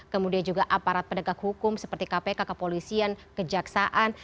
kemudian juga aparat penegak hukum seperti kpk kepolisian kejaksaan